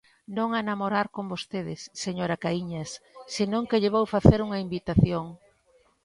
Non a namorar con vostede, señora Caíñas, senón que lle vou facer unha invitación.